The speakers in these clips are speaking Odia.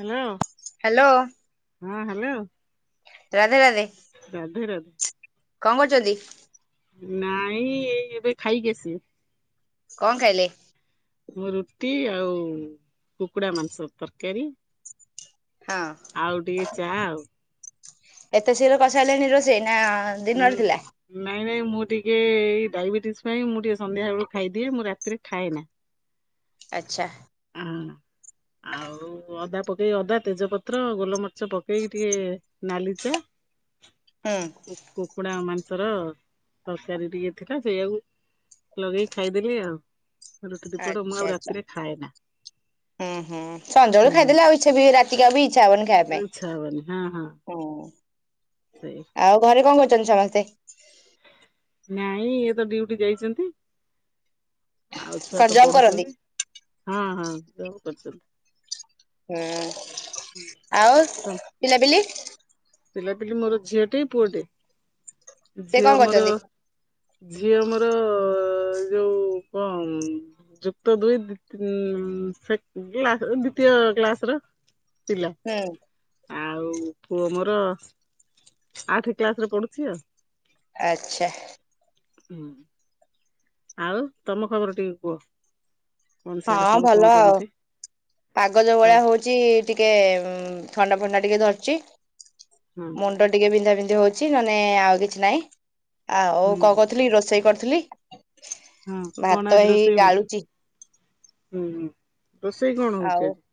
ହ୍ୟାଲୋ ହ୍ୟାଲୋ ହଁ ହାଲୋ ରାଧେ ରାଧେ ରାଧେ କଣ କରୁଛନ୍ତି ନାଇଁ ଏ ଏବେ ଖାଇକିସି କଣ ଖାଇଲେ ମୁଁ ରୁଟି ଆଉ କୁକୁଡା ମାଂସ ତରକାରୀ ହଁ ଆଉ ଟିକେ ଚା ଆଉ ଏତେ ଶୀଘର କସାରେ ନିରୋଶ ହେଇନା ଦିନରେ ଥିଲା କାଇଁ ନାଇଁ ମୁଁ ଟିକେଇ ଡାଇବେଟିସ ପାଇଁ ମୁଁ ଟିକେ ସନ୍ଧ୍ୟା ବେଳକୁ ଖାଇଦିଏ ମୁଁ ରାତିରେ ଖାଏ ନା ଆଚଛା ହଁ ଆଉ ଅ ପକେଇ ଅଦା ତେଜପତ୍ର ଗୋଲମରିଚ ପକେଇ ଟିକେ ନାଲିଚା ହୁଁ କୁକୁଡ଼ା ମାନ ର ତରକାରୀ ଟିକେ ଥିଲା ସେଇଆାକୁ ଲଗେଇକି ଖାଇଦେଲେ ଆଉ ରୁଟି ଦିପଟ ମୁଁ ଆଚ୍ଛା ଆଉ ଆଚ୍ଛା ରାତିରେ ଖାଏ ନା ହୁଁ ହୁଁ ସଞ୍ାବେଳୁ ଖାଇଦେଲେ ଆଉ ଇଛା ବି ରାତିକି ଆଉ ବି ଇଚ୍ଛା ହବନି ଖାଇବା ଇଚ୍ଛା ପାଇଁ ହବନି ହଁ ହଁ ହୁଁ ସେଇ ଆଉ ଘରେ କଣ କରୁଛନ୍ତି ସମସ୍ତେ ନାଇଁ ଇଏ ତ ଡ୍ୟୁଟି ଯାଇଛନ୍ତି ଆଉ ଛୁଆ କଣ ତ ଜବ୍ କରନ୍ତି? ପଢୁଛନ୍ତି ହଁ ହଁ ଜବ କରିଛନ୍ତି ହୁଁ ଆଉ ତ ପିଲାପିଲି ପିଲାପିଲି ମୋର ଝିଅଟିେ ପୁଅ ଟେ ସେ ଝିଅ କଣ ଆମର କରୁଛନ୍ତି? ଝିଅ ଆମର ଯୋଉ କଣ ଯୁକ୍ତ ଦୁଇ୍ ଦ୍ଵିତୀୟ କ୍ଲାସ ର ପିଲା ହୁଁ ଆଉ ପୁଅ ମୋର ର ଆଠ କ୍ଲାସ ରେ ପଢୁଛି ଆଉ ଆଚ୍ଛା ହୁଁ ଆଉ ତମ ଖବର ଟିକେ କୁହ କଣ ସିଆଡେ ହଁ ସବୁ କଣ ଭଲ ଆଉ କେମିତି ପାଗଜ ଭଳିଆ ଆଉ ହଉଛି ଟିକେ ଥଣ୍ଡା ଫଥଣ୍ଡା ଟିକେ ଧରିଚଛି ହଁ ମୁଣ୍ଡ ଟିକେ ବିନ୍ଧା ବିନ୍ଧି ହଉଛି ନେ ଆଉ କିଛି ନହିଁ ଆଉ କଣ ହଁ କରୁଥିଲି ରୋଷେଇ କରିଥିଲି ହଁ କଣ ଭାତ ଆଜି ହେଇ ରୋଷେଇ ହଉଛି ଗଡାଳୁଚ ହୁଁ ହୁଁ ରୋଷେଇ କଣ ଆଉ ହଉଛି ଆଜି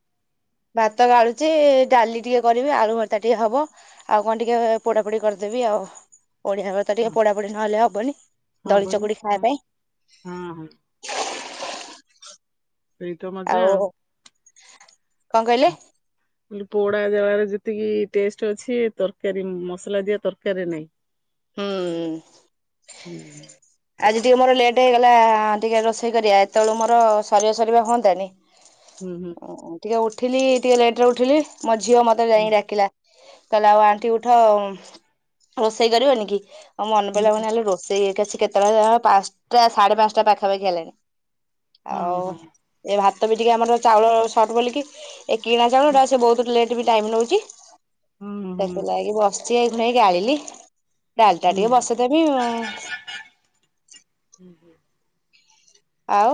ଭାତ ଗାଳୁଛି ଡାଲି ଟିକେ କରିବି ଆଳୁ ଭର୍ତା ଟିକେ ହବ ଆଉ କଣ ଟିକେ ପୋଡା ପୋଡି କରିଦେବି ଆଉ ପଢଆର ତ ଟିକେ ହଁ ପଢା ପଢି ନହେଲେ ହବନି ହଁ ଦଳି ବନ ଚକୁଡି ଖାଇବା ହଁ ପାଇଁ ହଁ ଏଇତ ମଜା ଆଉ କଣ କହିଲେ ବ ପୋଡା ଜାଗାରେ ଯେତେ ଏତିକି ଟେଷ୍ଟ ଅଛି ତରକାରୀ ମସଲା ଦିଆ ତରକାରୀ ନାହିଁ ହୁଁ ହୁଁ ଆଜି ଟିକିେ ମୋର ଲେଟ୍ ହେଇଗଲା ଟିକିେ ରୋଷେଇ କରିବା ଏତେବେଳୁ ମୋର ସରିବା ସରିବା ହୁଅନ୍ାନି ହୁଁ ହୁଁ ଓ ଟିକେ ଉଠିଲି ଟିକେ ଲେଟ ରେ ଉଠିଲି ମୋ ଝିଅ ମତେ ହୁଁ ଯାଇକି ଡାକିଲା କହିଲେ ଆଉ ଆଣ୍ଠି ଉଠ ରୋଷେଇ କରିବନି କି ଆଉ ମନେ ପଡିଲା ହୁଁ ମଣି ହେଲେ ରୋଷେଇଛି କେତେବେଳେ ପାଞ୍ଚଟା ସାଢେ ପାଞ୍ଚଟା ପାଖାପାଖି ହେଲାଣି ହୁଁ ଆଉ ହଁ ହଁ ଏ ଭାତ ବି ଟିକେ ଆମର ଚାଉଳ ସଟ ବୋଲିକି ଏ କିଣା ଚାଣୁଟା ସେ ବହୁତ ଲେଟ୍ ବି ଟାଇମ୍ ନଉଛି ହୁଁ ହୁଁ। ସେଥିଲାଗି ବସ ିଆାଇ ଘୁଣେଇକି ଆଣିଲି ଡାଲଟା ହୁଁ ଟିକେ ବସଦେମି ଆଉ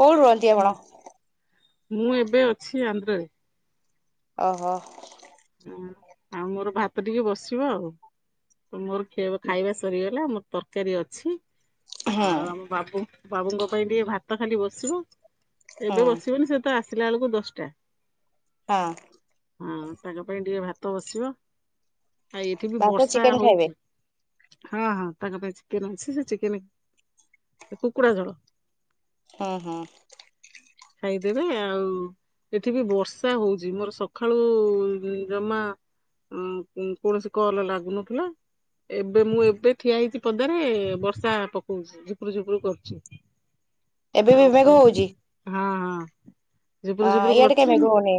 କୋଉଠି ରୁହନ୍ତି ଆପଣ ହୁଁ ମୁଁ ଏବେ ଅଛି ଆନ୍ଧ୍ରାରେ। ଓ ହୋ। ହୁଁ ଆଉ ମୋର ଭାତ ଟିକେ ବସିବ ଆଉ। ମୋର [unintelligible] ଖାଇବା ସରିଗଲା ମୋର ତରକାରୀ ଅଛି। ହୁଁ ଆଉ ଆମ ବାବୁ ବାବୁଙ୍କ ପାଇଁ ଟିକେ ଭାତ ଖାଲି ବସିବ। ଏବେ ହୁଁ ବସିବନି ସେ ତ ଆସିଲା ବେଳକୁ ଦଶଟା। ହଁ। ହଁ ତାଙ୍କ ପାଇଁ ଟିକେ ଭାତ ବସିବ ଆଉ ଏଇଠି ବି ଭାତ ବର୍ଷା ଚିକେନ ଖାଇବେ ହଉଚି। ହଁ ହଁ ତାଙ୍କ ପାଇଁ ଚିକେନ ଅଛି ସେ ଚିକେନ କୁକୁଡ଼ା ଝୋଳ। ହୁଁ ହୁଁ। ଖାଇଦେବେ ଆଉ ଏଠି ବି ବର୍ଷା ହଉଚି ମୋର ସକାଳୁ ଜମା [unintelligible] କୌଣସି କଲ୍ ଲାଗୁନଥିଲା। ଏବେ ମୁଁ ଏବେ ଠିଆ ହେଇଚି ପଦାରେ ବର୍ଷା ପକଉଚି ଝୁପୁରୁ ଝୁପୁରୁ କରୁଚି। ଏବେ ବି ମେଘ ହଉଚି? ହଁ ହଁ ଝୁପୁରୁ ଝୁପୁରୁ କାଇଁ କରୁଛି ମେଘ ମୁଁ ହଉନି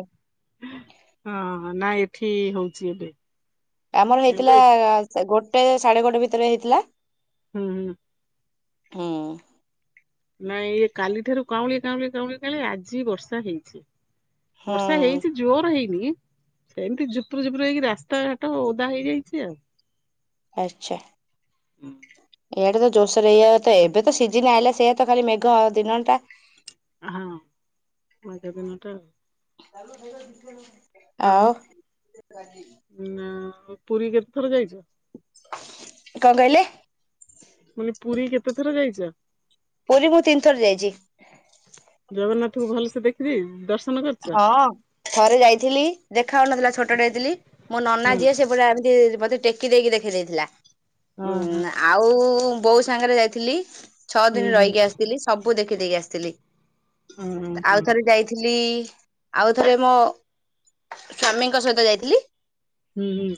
ହଁ। ନାଁ ଏଠି ହଉଛି ଏବେ। ଆମର ଏବେ ହେଇଥିଲା ଗୋଟେ ସାଢେ ଗୋଟେ ଭିତରେ ହେଇଥିଲା। ହୁଁ ହୁଁ। ହୁଁ। ନାଇଁ ଇଏ କାଲି ଠାରୁ କାଉଁଳି କାଉଁଳି କାଉଁଳି କାଁଉଳି ଆଜି ବର୍ଷା ହେଇଛି। ବର୍ଷା ହୁଁ ହେଇଛି ଜୋରେ ହେଇ [unintelligible] ଝୁପୁରୁ ଝୁପୁରୁ ହେଇକି ରାସ୍ତାଘାଟ ଓଦା ହେଇଯାଇଚି ଆଉ। ଆଚ୍ଛା। ହୁଁ। ଏଇ ଆଡ଼େ ତ ଜୋର ସୋରେ [unintelligible] ଏବେ ତ ସିଜିନ୍ ଆଇଲା ସେଇଆ ତ ଖାଲି ମେଘ ଦିନ ଟା। ହଁ ମେଘ ଦିନ ଟା। ଆଉ। ଆଉ ପୁରୀ କେତେ ଥର ଯାଇଚ? କଣ କହିଲେ? ମାନେ ପୁରୀ କେତେ ଥର ଯାଇଛ? ପୁରୀ ମୁଁ ତିନି ଥର ଯାଇଚି। ଜଗନ୍ନାଥଙ୍କୁ ଭଲସେ ଦେଖିବି ଦଶ ହଁ। ଥରେ ଯାଇଥିଲି ଦେଖା ହଉନଥିଲା ଛୋଟ ଟେ ହେଇଥିଲି ମୋ ନନା ହଁ ଯିଏ ସେ ପୁରା ଏମିତି ମତେ ଟେ ଟେକି ଦେଇକି ଦେଖେଇ ଦେଇଥିଲା ହଁ ଆଉ ବୋଉ ସାଙ୍ଗରେ ଯାଇଥିଲି। ଛଅ ହୁଁ ଦିନି ହୁଁ ରହିକି ଆସିଥିଲି ସବୁ ଦେଖିଦେଇକି ଆସିଥିଲି ହଁ ହଁ ଆଉଥରେ ଯାଇଥିଲି ଆଉ ଥରେ ମୋ ସ୍ଵାମୀଙ୍କ ସହିତ ଯାଇଥିଲି। ହୁଁ ହୁଁ।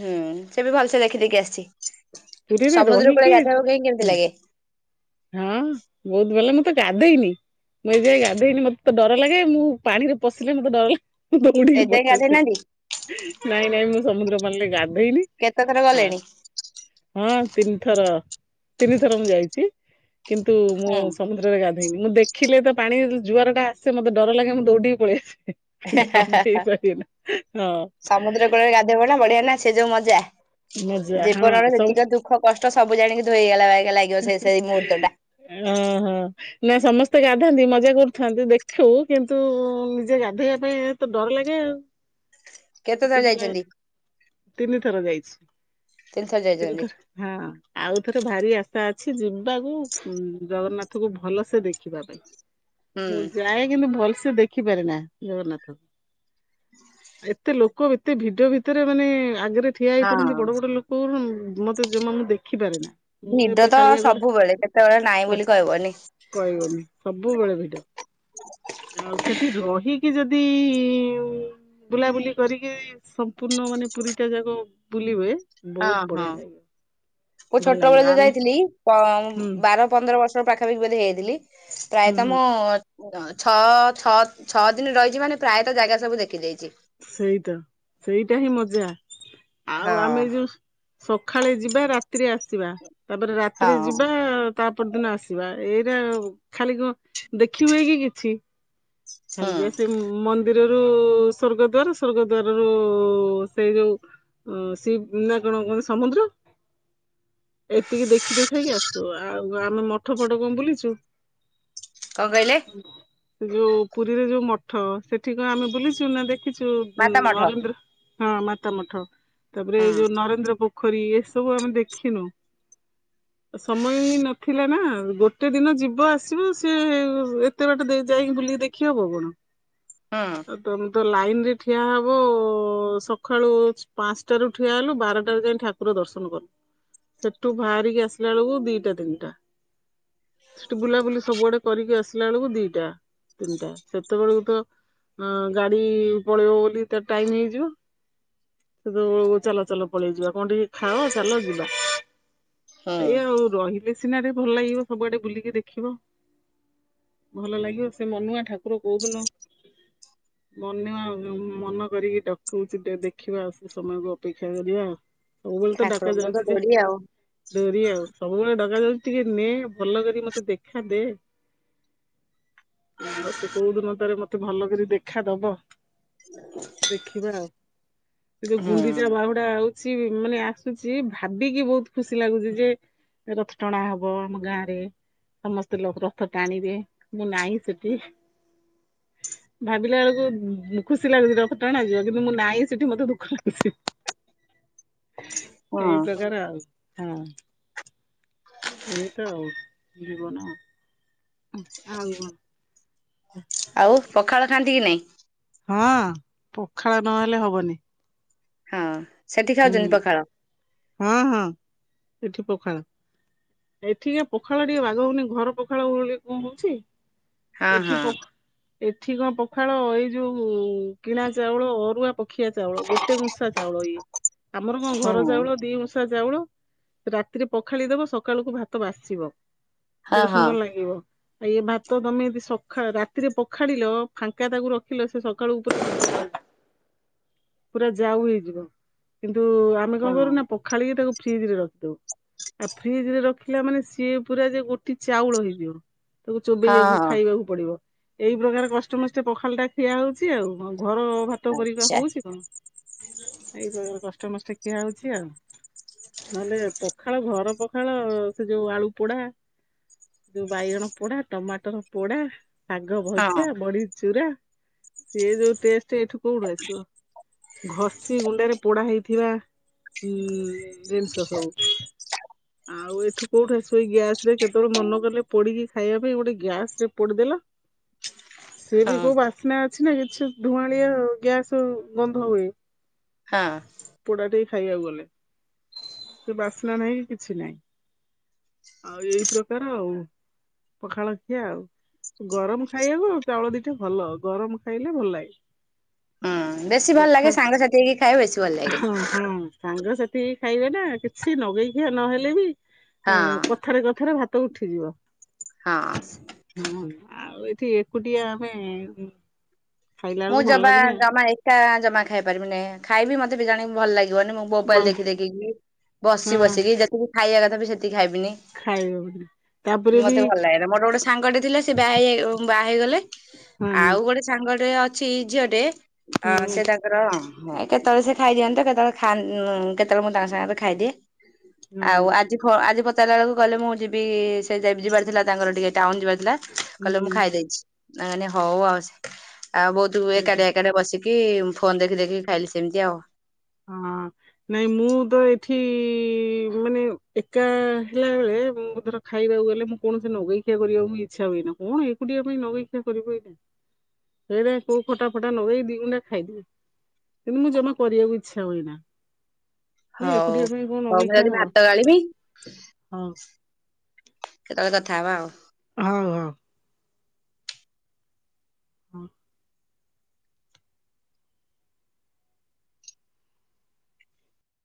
ହୁଁ ସେ ବି ଭଲସେ ଦେଖିଦେଇକି ଆସିଛି। ପୁରୀରେ ସମୁଦ୍ର କୂଳେ ରହିକି ଗାଧେଇବାକୁ କାଇଁ କେମିତି ହୁଁ ଲାଗେ ବହୁତ୍ ଭଲ ନା ତ ଗାଧେଇନି ମୁଁ ଏ ଯାଏଁ ଗାଧେଇନି ମତେ ତ ଡ଼ର ଲାଗେ ମୁଁ ପାଣିରେ ପଶିଲେ ମତେ ଡ଼ର ଲାଗେ। ମୁଁ ଦୌଡ଼ିକି ଏଯାଏଁ ଗାଧେଇ ପଳେଇଆସେ ନାହାନ୍ତି ନାଇଁ ନାଇଁ ମୁଁ ସମୁଦ୍ର ପାଣିରେ ଗାଧେ କେତେଥର ଗଲେଣି? ହଁ ତିନିଥର ତିନିଥର ମୁଁ ଯାଇଚି। କିନ୍ତୁ ମୁଁ ହୁଁ ସମୁଦ୍ରରେ ଗାଧେଇନି ମୁଁ ଦେଖ ଦେଖିଲେ ତ ପାଣି ଜୁଆରଟା ଆସେ ମତେ ଡ଼ର ଲାଗେ ମୁଁ ଦୌଡ଼ିକି ପଳେଇ ଆସେ। ଗାଧେଇ [unintelligible] ପାରିବିନି ହଁ ସମୁଦ୍ର କୂଳରେ ଗାଧେଇବ ନା ବଢ଼ିଆ ନା ସେ ଯୋଉ ମଜା। ମଜା ହଁ ଜୀବନର ସବୁ ଯେତିକି ଦୁଃଖ କଷ୍ଟ ସବୁ ଜାଣିକି ଧୋଇଗଲା ଭାଇ। ଲାଗିବ ସେ ସେଇ ମୁହୂର୍ତ୍ତ ଟା। ଓହୋ ନା ସମସ୍ତେ ଗାଧାନ୍ତି ମଜା କରୁଥାନ୍ତି ଦେଖୁ କିନ୍ତୁ ନିଜେ ଗାଧୋଇବା ପାଇଁତ ଡର ଲାଗେ ଆଉ। କେତେ ଥର ସେଥିପାଇଁ ଯାଇଛନ୍ତି ତିନିଥର ଯାଇଛି। ତିନିଥର ଯାଇଛନ୍ତି ତିନିଥର ହଁ ଆଉ ଥରେ ଭାରି ଆ ଇଛା ଅଛି ଯିବାକୁ ଜଗନ୍ନାଥ କୁ ଭଲ ସେ ଦେଖିବା ପାଇଁ। ହୁଁ। ମୁଁ ଯାଏ କିନ୍ତୁ ଭଲସେ ଦେଖିପାରେ ନା ଜଗନ୍ନାଥ। ଏତେ ଲୋକ ଏତେ ଭିଡ ଭିତରେ ମାନେ ଆଗରେ ଠିଆ ହେଇ ପଡନ୍ତି ହଁ ବଡ ବଡ ଲୋକ ମତେ ଯମା ମୁ ଦେଖିପାରେ ନା ମୁଁ ନିଦ ଏବେ ତ କାଳିଆ କୁ ସବୁବେଳେ କେତେବେଳେ ନାଇଁ ବୋଲି କହିବନି କହିବନି ସବୁବେଳେ ଭିଡ। ଆଉ ସେଠି ରହିକି ଯଦି ଇ ବୁଲାବୁଲି କରିକି ସମ୍ପୂର୍ଣ୍ଣ ମାନେ ପୁରୀ ଏତେ ଯାକ ବୁଲିବେ ବହୁତ ବଢିଆ ଲାଗେ। ମୁ ଛୋଟ ବେଳ ଯୋଉ ଯାଇଥିଲି ପମ୍ ହୁଁ ବାର ପନ୍ଦର ବର୍ଷର ପାଖାପାକି ବୋଧେ ହେଇଥିଲି। ହୁଁ ପ୍ରାୟତଃ ହୁଁ ମୁଁ ଛଅ ଛଅ ଛଅ ଦିନ ରହିଛି ମାନେ ପ୍ରାୟତଃ ଜାଗା ସବୁ ଦେଖିଦେଇଛି। ସେଇତ ସେଇଟା ହିଁ ମଜା ଆଉ ହଁ ଆମେ ଯଉ ସଖାଳେ ଯିବା ରାତିରେ ଆସିବା ତାପରେ ରାତିରେ ହଁ ଯିବା ତା ପର ଦିନ ଆସିବା। ଏଇଟା ଆଉ ଖାଲି କଣ ଦେଖି ହୁଏ କି କିଛି? ହୁଁ ଖାଲି ଯା ସେ ମନ୍ଦିର ଦ୍ଦୀର ରୁ ସ୍ଵର୍ଗ ଦ୍ଵାରା ସ୍ବର୍ଗ ଦ୍ବାର ରୁ ସେଇ ଯୋଉ ଓ ସଇ ନା କଣ କହନ୍ତି ସମୁଦ୍ର। ଏତିକି ଦେଖି ଦୁଖାକି ଆସୁ ଆଉ ଆମେ ମଠ ଫଟ କଣ ବୁଲିଛୁ? କଣ କହିଲେ? ଯୋଉ ପୁରୀରେ ଯୋଉ ମଠ ସେଠି କ ଆମେ ବୁଲିଛୁ ନା ଦେଖିଛୁ ଉଁ ମାତା ମଠ ନରେନ୍ଦ୍ର ହଁ ମାତା ମଠ ତାପରେ ଏଇ ହୁଁ ଯୋଉ ନରେନ୍ଦ୍ର ପୋଖରୀ ଏସବୁ ଆମେ ଦେଖିନୁ। ସମୟ ହିଁ ନଥିଲା ନା ଆଉ ଗୋଟେ ଦିନ ଯିବ ଆସିବ ସିଏ ଏତେ ବାଟ ଦେ ଯାଇକି ବୁଲିକି ଦେ ଦେଖି ହବ ହୁଁ। କଣ ତମେ ତ ଲାଇ ଲାଇନରେ ଠିଆ ହେବୁ ସଖାଳୁ ପାଞ୍ଚଟାରୁ ଠିଆ ହେଲୁ ବାରଟାରୁ ଯାଇ ଠାକୁର ଦର୍ଶନ ସେଠୁ ବାହାରିକି ଆସିଲା ବେଳକୁ ଦିଟା ତିନିଟା। ସେଠି ବୁଲାବୁଲି ସବୁଆଡେ କରିକି ଆସିଲା ବେଳକୁ ଦିଟା। ତିନିଟା ସେତେବେଳକୁ ତ ଅ ଗାଡି ପଳେଇବ ବୋଲି ତା ଟାଇମ ହେଇଯିବ। ସେତବେଳକୁ ଚାଲ ଚାଲ ପଳେଇ ଯିବା କଣ ଟିକେ ଖାଅ ଚାଲ ଯିବା? ହୁଁ ଏଇୟା ଆଉ ରହିଲେ ସିନା ରେ ଭଲ ଲାଗିବ ସବୁଆଡେ ବୁଲିକି ଦେଖିବ। ଭଲ ଲାଗିବ ସେ ମନୁଆ ଠାକୁର କୋଉଦିନ ମନୁଆ ଆଉ ମନ କରିକି ଡକଉଛି ଟେ ଦେଖିବା ଆଉ ସେ ସମୟକୁ ଅପେକ୍ଷା କରିବା। ସବୁବେଳେ ତ ଡାକା ଠାକୁରଙ୍କ ତ ଯାଉଛି ଯେ ଡୋରି ଆଉ ଡୋରି ଆଉ ସବୁବେଳେ ଡକ ଯାଉଛି ଟିକେ ନେ ଭଲ କରି ମତେ ଦେଖା ଦେ। ଆଉ ସେ କୋଉ ଦିନ ତାର ମତେ ଭଲ କରି ଦେଖା ଦବ ଦେଖିବା ଆଉ। ସେ ଯୋଉ ହୁଁ ଗୁଣ୍ଡିଚା ବାହୁଡା ଆଉ କିଛି ମାନେ ଆସୁଛି ଭାବିକି ବହୁତ ଖୁସି ଲାଗୁଛି ଯେ ରଥ ଟଣା ହବ ଆମ ଗାଁ ରେ ସମସ୍ତେ ଲୋକ ରଥ ଟାଣିବେ ମୁଁ ନାଇଁ ସେଠି। ଭାବିଲା ବେଳକୁ ଖୁସି ଲାଗୁଛି ରଥଟଣା ଯିବ କିନ୍ତୁ ମୁଁ ନାହିଁ ସେଠି ମତେ ଦୁଃଖ ଲାଗୁଛି। ହୁଁ। ଏଇ ପ୍ରକାର ଆଉ ହଁ ଏ ତ ଆଉ ଜୀବନ। ଆଉ କଣ? ଆଉ ପଖାଳ ଖାଆନ୍ତି କି ନାଇଁ? ହଁ ପଖାଳ ନହେଲେ ହବନି। ହଁ ସେଠି ହୁଁ ଖାଉଛନ୍ତି ପଖାଳ। ହଁ ହଁ ଏଠି ପଖାଳ। ଏଠିକି ପଖାଳ ଟିକେ ବାଗ ହଉନି ଘର ପଖାଳ ଭଳି କଣ ହଉଛି ହଁ ଏଠି ହଁ ପ ଏଠି କଣ ପଖାଳ ଏଇ ଯୋଉ କିଣା ଚାଉଳ ଅରୁଆ ପଖ ମୁଖିଆ ଚାଉଳ ଗୋଟେ ଉଁଷା ଚାଉଳ ଇଏ ଆମର କଣ ହଁ ଘର ଚାଉଳ ଦି ଉଁଷା ଚାଉଳ ରାତିରେ ପଖାଳି ଦବ ସକାଳକୁ ଭାତ ବାସିବ ହଁ କେଡେ ହଁ ସୁନ୍ଦର ଲାଗିବ ଆଉ ଏ ଭାତ ତମେ ଯଦି ସଖା ରାତିରେ ପଖାଳିଲ ଫାଙ୍କା ତାକୁ ରଖିଲ ସେ ସକାଳୁ ପୁରା ପୁରା ଯାଉ ହେଇଯିବ କିନ୍ତୁ ଆମେ କଣ ହଁ। କରୁନା ପଖାଳିକି ତାକୁ ଫ୍ରିଜ ରେ ରଖିଦଉ ଆଉ ଫ୍ରିଜ ରେ ରଖିଲା ମାନେ ସିଏ ପୁରା ଯେ ଗୋଟେ ଏ ଚାଉଳ ହେଇଯିବ ତାକୁ ହଁ ଚୋବେଇବାକୁ ହଁ ଖାଇବାକୁ ପଡିବ ଏଇ ପ୍ରକାର କଷ୍ଟମଷ୍ଟେ ପଖାଳ ଟା ଖିଆ ହଉଛି ଆଉ ଘର ଭାତ ପରିକା ଆଚ୍ଛା ହଉଛି ଏଇ କଷ୍ଟମଷ୍ଟେ ଖିଆ ହଉଛି ଆଉ ନହେଲେ ପଖାଳ ଘର ପ ଖାଳ ସେ ଯୋଉ ଆଳୁ ପୋଡା ଯୋଉ ବାଇଗଣ ପୋଡା, ଟମାଟର ପୋଡା ହଁ ଶାଗଭଜା, ବଢିଚୁରା ସିଏ ଯୋଉ ଟେଷ୍ଟ ଏଠୁ କୋଉଠୁ ଆସିବ ଘଷି ଗୁଣ୍ଡରେ ପୋଡା ହେଇଥିବା ହୁଁ ଜିନିଷ ସବୁ ଆଉ ଏଠୁ କୋଉଠୁ ଆସିବ ଏଇ ଗ୍ୟାସ ରେ କେତେବେଳେ ମନ କଲେ ପୋଡିକି ଖାଇବା ପାଇଁ ଗୋଟେ ଗ୍ୟାସ ରେ ପୋଡିଦେଲ [inaudible] ସିଏ ବି ହଁ। କୋଉ ବାସ୍ନା ଅଛି ନା କିଛି ଧୂଆଁଳିଆ ଗ୍ୟାସ ଗନ୍ଧ ହୁଏ। ହଁ ପୋଡାଟେ ଖାଇବାକୁ ଗଲେ ସେ ବାସ୍ନା ନାହିଁ କି କିଛି ନାହିଁ ଆଉ ଏଇ ପ୍ରକାର ଆଉ ପଖାଳଖିଆ ଆଉ ଗରମ ଖାଇବାକୁ ଆଉ ଚାଉଳ ଦିଟା ଭଲ ଗରମ ଖାଇଲେ ଭଲ ଲାଗେ ହୁଁ ବେଶୀ ଭଲ ଲାଗେ ପଖାଳ ସାଙ୍ଗସାଥି ହେଇକି ଖାଇବେ ବେଶୀ ଭଲ ଲାଗେ ହଁ ହଁ ସାଙ୍ଗ ସାଥି ହେଇକି ଖାଇବା ଟା କିଛି ନଗେଇଖିଆ ନହେଲେ ବି ଅ ହଁ କଥାରେ କଥାରେ ଭାତ ଉଠିଯିବ ହଁ। ହଁ ଆଉ ଏଠି ଏକୁଟିଆ ଆମେ ଖାଇଲା ମୁଁ ବେଳକୁ ଭଲ ଜମା ଲାଗୁନି ଆଉ। ଜମା ଏକା ଜମା ଖାଇପାରିବିିନି ଖାଇବି ମତେ ବି ଜାଣି ଭଲ ଲାଗେ ବନି ମୁଁ ମୋବାଇଲ ଭଲ ଦେଖି ଦେଖିକି ବସି ହଁ ବସିକି ଯେତିକି ଖାଇବା କଥା ବି ସେତି ଖାଇବିନି ଖାଇହବନି ତାପରେ ବି ମତେ ଭଲ ଲାଗେନା ମୋରେ ଗୋଟେ ସାଙ୍ଗଟେ ଥିଲା ସେ ବାଆ ବାହା ହେଇଗଲେ ହଁ ଆଉ ଗୋଟେ ସାଙ୍ଗଟେ ଅଛି ଝିଅ ଟେ ଅ ହୁଁ ସେ ତାଙ୍କର କେତେବେଳେ ସେ ଖାଇଦିଅନ୍ତ କେତେବେଳେ ଖା କେତେବେଳେ ମୁଁ ତାଙ୍କ ସାଙ୍ଗରେ ଖାଇଦିଏ ହଁ ଆଉ ଆଜି ଆଜି ପଚାରିଲା ବେଳକୁ କହିଲେ ମୁଁ ଯିବି ସେ ଯ ଯିବାର ଥିଲା ତାଙ୍କର ଟିକେ ଟାଉନ ଯିବାର ଥିଲା ହୁଁ କହିଲେ ମୁଁ ହୁଁ ଖାଇଦେଇଛି ମୁଁ କହିଲି ହଉ ଆଉ ଆଉ ବହୁତ ସେଇଟା ଏକାଟିଆ ଏକାଟିଆ ବସିକି ଫୋନ ଦେଖି ଦେଖିକି ଖାଇଲି ସେମିତି ଆଉ ହଁ ନାଇଁ ମୁଁ ତ ଏଠି ମାନେ ଏକା ହେଲା ବେଳେ ମୁଁ ଧର ଖାଇବାକୁ ଗଲେ ମୁଁ କୌଣସି ନଗେଇ ଖିଆ କରିବାକୁ ମୁଁ ଇଚ୍ଛା ହୁଏନି କଣ ଏକୁଟିଆ ପାଇଁ ନଗେଇଖିଆ କରିବୁ ଏଇନେ ସେଇଟା କୋଉ ଖଟା ଫଟା ନଗେଇ ଦି ଗୁଣ୍ଡା ଖାଇଦିଏ କିନ୍ତୁ ମୁଁ ଜମା କରିବାକୁ ଇ ଇଚ୍ଛା ହୁଏନା ହଉ ହଉ ଏକୁଟିଆ ପାଇଁ କଣ ନଗେଇ ମୁଁ ଖିଆ ଯାଉଛି ହବ। ଭାତ ଗାଳିବି ହଉ କେତେବେଳେ କଥା ହବା ଆଉ ହଉ ହଉ ହଁ